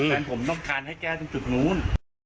งั้นผมต้องการให้แก้ตรงจุดนู้น